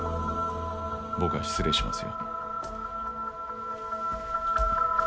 僕は失礼しますよ。